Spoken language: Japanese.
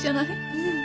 うん。